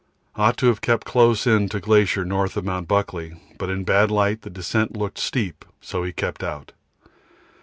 Ought to have kept close in to glacier north of Mt. Buckley, but in bad light the descent looked steep and we kept out.